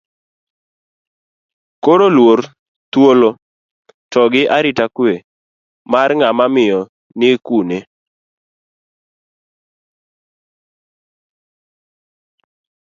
Koro, luor, thuolo to gi arita kwe mar ng'ama miyo ni kune?